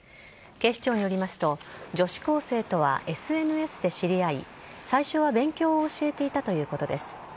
警視庁によりますと女子高生とはＳＮＳで知り合い最初は勉強を教えていたということです。